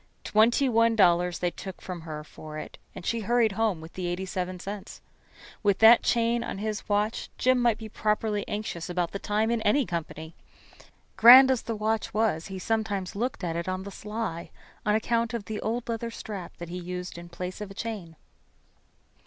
Twenty one dollars they took from her for it, and she hurried home with the eighty seven cents. With that chain on his watch Jim might be properly anxious about the time in any company. Grand as the watch was, he sometimes looked at it on the sly on account of the old leather strap he used in place of a chain.